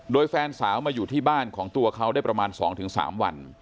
โดยแฟนสาวมาอยู่ที่บ้านของตัวเขาได้ประมาณ๒๓วัน